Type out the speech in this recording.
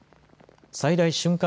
最大瞬間